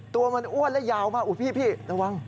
ตัวมันอ้วนและยาวมากอุ๊ยพี่ระวัง